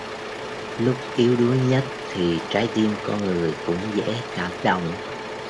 Lúc yếu đuối nhất thì trái tim con người cũng dễ cảm động